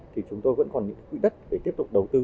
thì chúng tôi vẫn còn những quỹ đất để tiếp tục đầu tư